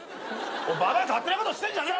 ババア勝手なことしてんじゃねえ！